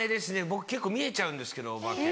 僕結構見えちゃうんですけどお化け。